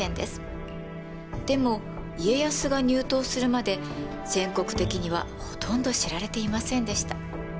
でも家康が入湯するまで全国的にはほとんど知られていませんでした。